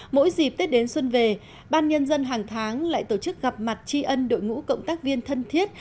mỗi dịp tết đến xuân về ban nhân dân hàng tháng lại tổ chức gặp mặt tri ân đội ngũ cộng tác viên thân thiết